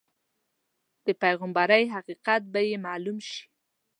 د پیغمبرۍ حقیقت به یې معلوم شي.